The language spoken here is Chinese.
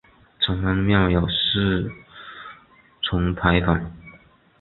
城隍庙有四重牌坊。